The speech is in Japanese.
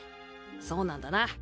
そうなんだな。